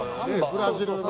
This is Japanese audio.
ブラジルの。